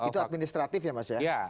itu administratif ya mas ya